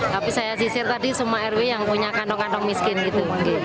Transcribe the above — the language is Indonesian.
tapi saya sisir tadi semua rw yang punya kantong kantong miskin gitu